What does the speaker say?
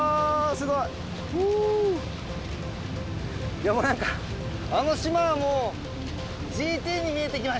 いやもうなんかあの島はもうＧＴに見えてきました。